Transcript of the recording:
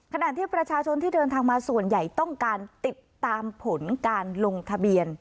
ขณะที่ประชาชนที่เดินทางมาส่วนใหญ่ต้องการติดตามผลการลงทะเบียน